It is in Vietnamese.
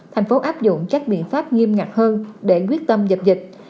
thành phố áp dụng các biện pháp nghiêm ngặt hơn để quyết tâm dập dịch